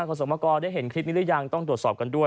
สมกรได้เห็นคลิปนี้หรือยังต้องตรวจสอบกันด้วย